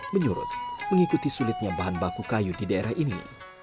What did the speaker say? menyurut mengikuti sulitnya bahan baku kayu di daerah ini